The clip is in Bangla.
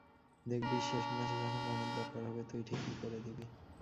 দেখবি, শেষ ম্যাচে যখন রানের দরকার হবে, তুই ঠিকই করে দিবি।